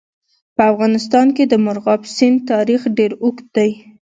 په افغانستان کې د مورغاب سیند تاریخ ډېر اوږد دی.